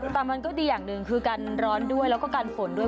แต่มันก็ดีอย่างหนึ่งคือกันร้อนด้วยแล้วก็กันฝนด้วย